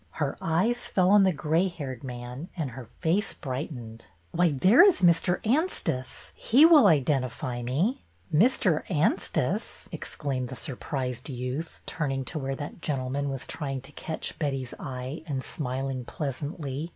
Her eyes fell on the gray haired man, and her face brightened. 292 BETTY BAIRD'S VENTURES '' Why, there is Mr. Anstice ! He will identify me." '' Mr. Anstice !" exclaimed the surprised youth, turning to where that gentleman was trying to catch Betty's eye and smiling pleasantly.